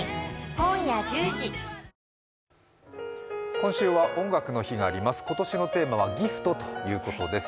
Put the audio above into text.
今週は「音楽の日」があります。